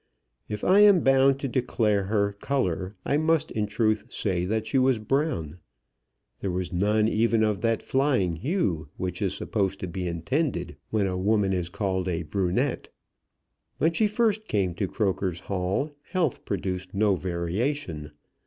If I am bound to declare her colour, I must, in truth, say that she was brown. There was none even of that flying hue which is supposed to be intended when a woman is called a brunette. When she first came to Croker's Hall, health produced no variation.